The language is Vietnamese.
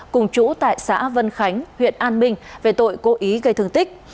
cùng chú tại xã vân khánh huyện an minh về tội cố ý gây thương tích